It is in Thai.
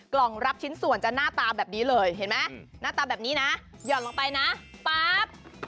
กล่องรับชิ้นส่วนจะหน้าตาแบบนี้เลยเห็นไหมหน้าตาแบบนี้นะหย่อนลงไปนะปั๊บ